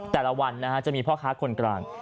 แต่ละวันจะมีพ่อค้าคนกลาง